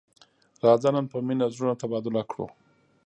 راځه نن په مینه زړونه تبادله کړو.